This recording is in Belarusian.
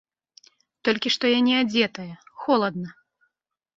Толькі што я неадзетая, холадна.